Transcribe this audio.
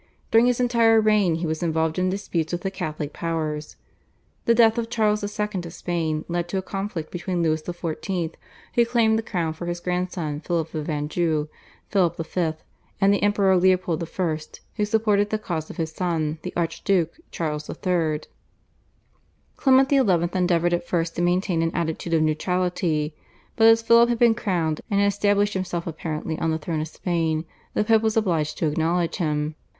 During his entire reign he was involved in disputes with the Catholic powers. The death of Charles II. of Spain led to a conflict between Louis XIV., who claimed the crown for his grandson Philip of Anjou (Philip V.), and the Emperor Leopold I., who supported the cause of his son, the Archduke, Charles III. Clement XI. endeavoured at first to maintain an attitude of neutrality, but as Philip had been crowned and had established himself apparently on the throne of Spain the Pope was obliged to acknowledge him.